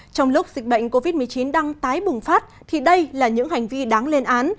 trong lúc dịch bệnh covid một mươi chín đang tái bùng phát thì đây là những hành vi đáng lên án